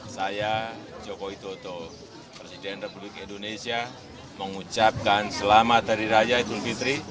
saya joko widodo presiden republik indonesia mengucapkan selamat hari raya idul fitri